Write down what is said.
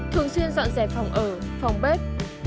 thường xuyên dọn dẹp phòng ở phòng bếp